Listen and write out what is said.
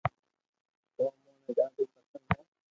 او امو ني ڌادي پسند ھي